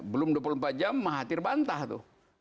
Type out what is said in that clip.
belum dua puluh empat jam mahathir bantah tuh